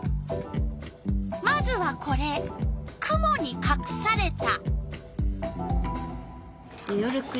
まずはこれ「くもにかくされた」。